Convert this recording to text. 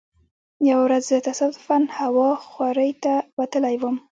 یوه ورځ زه تصادفا هوا خورۍ ته وتلی وم.